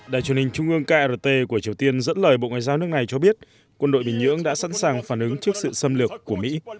đài truyền hình trung ương krt của triều tiên dẫn lời bộ ngoại giao nước này cho biết quân đội bình nhưỡng đã sẵn sàng phản ứng trước sự xâm lược của mỹ